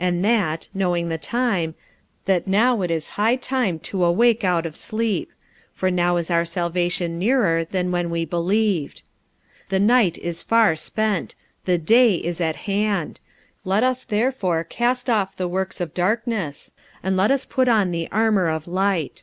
45:013:011 And that, knowing the time, that now it is high time to awake out of sleep: for now is our salvation nearer than when we believed. 45:013:012 The night is far spent, the day is at hand: let us therefore cast off the works of darkness, and let us put on the armour of light.